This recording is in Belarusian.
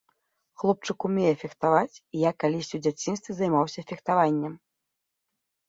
Хлопчык умее фехтаваць, і я калісьці ў дзяцінстве займаўся фехтаваннем.